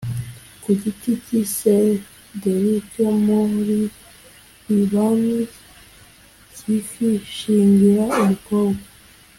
ku giti cy isederi cyo muri Libani f kiti shyingira umukobwa